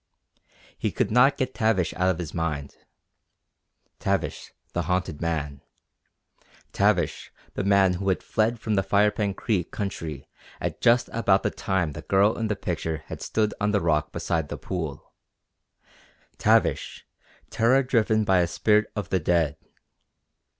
He could not get Tavish out of his mind; Tavish, the haunted man; Tavish the man who had fled from the Firepan Creek country at just about the time the girl in the picture had stood on the rock beside the pool; Tavish, terror driven by a spirit of the dead!